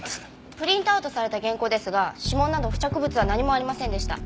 プリントアウトされた原稿ですが指紋など付着物は何もありませんでした。